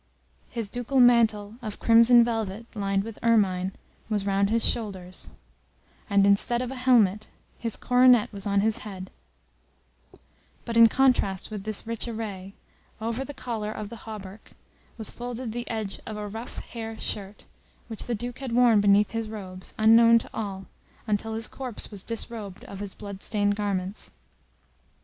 His ducal mantle of crimson velvet, lined with ermine, was round his shoulders, and, instead of a helmet, his coronet was on his head; but, in contrast with this rich array, over the collar of the hauberk, was folded the edge of a rough hair shirt, which the Duke had worn beneath his robes, unknown to all, until his corpse was disrobed of his blood stained garments.